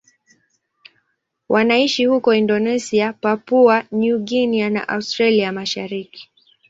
Wanaishi huko Indonesia, Papua New Guinea na Australia ya Mashariki.